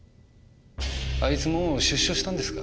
あいつもう出所したんですか。